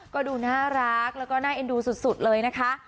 ก็ดูน่ารักแล้วก็น่าเอ็นดูสุดเลยนะคะ